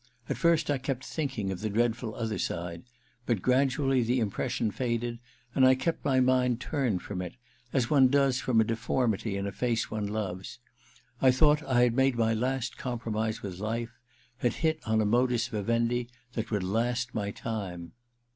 At first I kept thinking of the dreadful other side — but gradually the impression faded, and I kept my mind turned from it, as one does from a defor mity in a face one loves. I thought I had made my last compromise with life — had hit on a modus Vivendi that would last my time.